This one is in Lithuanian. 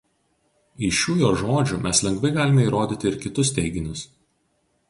Iš šių jo žodžių mes lengvai galime įrodyti ir kitus teiginius.